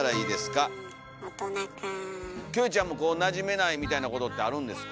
キョエちゃんもこうなじめないみたいなことってあるんですか？